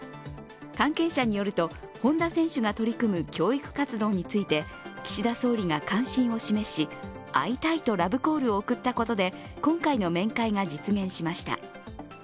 関係者によると、本田選手が取り組む教育活動について岸田総理が関心を示し、会いたいとラブコールを送ったことで今回の面会が実現しました。